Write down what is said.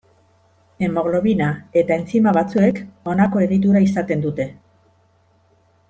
Hemoglobina eta entzima batzuek honako egitura izaten dute.